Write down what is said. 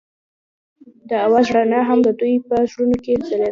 د اواز رڼا هم د دوی په زړونو کې ځلېده.